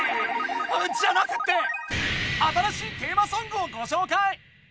じゃなくて新しいテーマソングをごしょうかい！